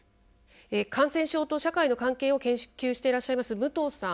感染症と社会の関係を研究していらっしゃいます武藤さん。